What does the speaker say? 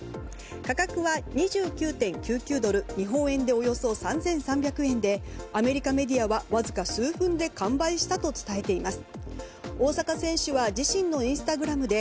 価格は２９．９９ドル日本円でおよそ３３００円でアメリカメディアはわずか数分で完売したと伝えています。